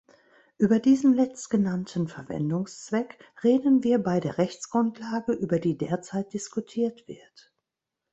Über diesen letztgenannten Verwendungszweck reden wir bei der Rechtsgrundlage, über die derzeit diskutiert wird.